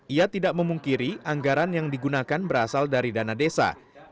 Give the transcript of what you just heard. ia tidak memungkiri anggaran yang digunakan berasal dari dana desa